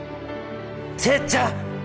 せっちゃん！